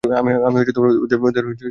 আমি ওদের খুন করতে চাই।